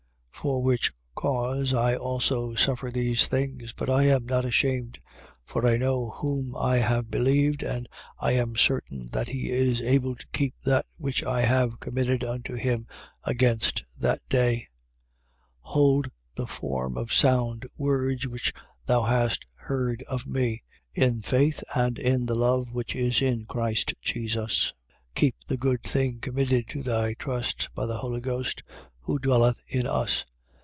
1:12. For which cause, I also suffer these things: but I am not ashamed. For I know whom I have believed and I am certain that he is able to keep that which I have committed unto him, against that day. 1:13. Hold the form of sound words which thou hast heard of me: in faith and in the love which is in Christ Jesus. 1:14. Keep the good thing committed to thy trust by the Holy Ghost who dwelleth in us.